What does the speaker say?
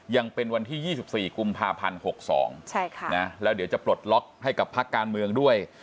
ยังเป็นวันที่๒๔กุมภาพันธ์๖๒แล้วเดี๋ยวจะปลดล็อกให้กับพักการเมืองด้วย